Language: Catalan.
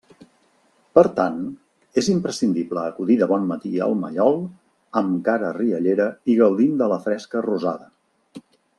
Per tant, és imprescindible acudir de bon matí al mallol amb cara riallera i gaudint de la fresca rosada.